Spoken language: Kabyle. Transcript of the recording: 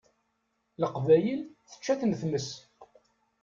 Leqbayel tečča-ten tmes.